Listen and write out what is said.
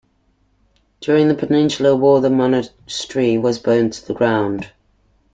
During the Peninsular War, the monastery was burnt to the ground.